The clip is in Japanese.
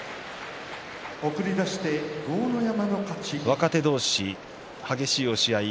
若手同士、激しい押し合い。